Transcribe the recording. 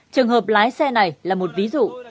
trường hợp lái xe này là một ví dụ